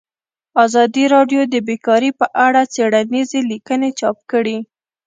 ازادي راډیو د بیکاري په اړه څېړنیزې لیکنې چاپ کړي.